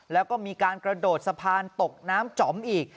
แล้วก็มีการกระโดดสะพานตกน้ำจ๋อมอีก